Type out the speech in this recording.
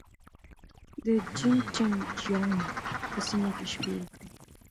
د جين چنګ جيانګ په سیمه کې شپې وکړې.